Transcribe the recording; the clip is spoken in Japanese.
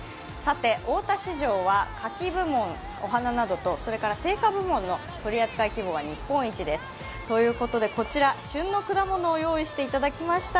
大田市場は花き部門、お花などと青果部門の取り扱いが日本一です。ということで、こちら、旬の果物を用意していただきました。